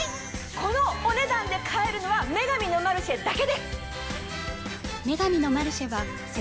このお値段で買えるのは『女神のマルシェ』だけです。